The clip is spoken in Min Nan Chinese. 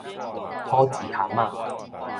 吐舌蚶仔